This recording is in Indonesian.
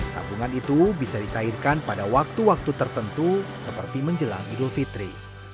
tabungan itu bisa dicairkan pada waktu waktu tertentu seperti menjelang idul fitri